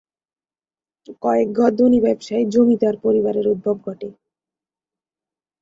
কয়েক ঘর ধনী ব্যবসায়ী জমিদার পরিবারের উদ্ভব ঘটে।